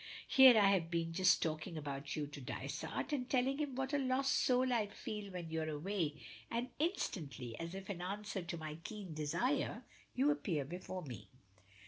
Here I have been just talking about you to Dysart, and telling him what a lost soul I feel when you're away, and instantly, as if in answer to my keen desire, you appear before me."